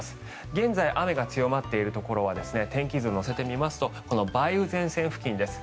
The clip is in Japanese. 現在、雨が強まっているところは天気図を乗せてみますとこの梅雨前線付近です。